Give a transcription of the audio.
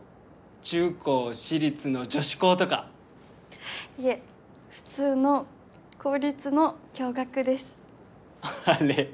中高私立の女子校とかいえ普通の公立の共学ですあれ？